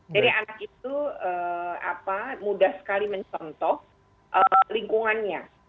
jadi anak itu mudah sekali mencontoh lingkungannya